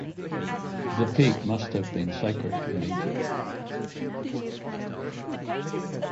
The pig must have been sacred in Egypt.